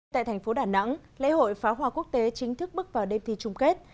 tại thành phố đà nẵng lễ hội phá hoa quốc tế chính thức bước vào đêm thi chung kết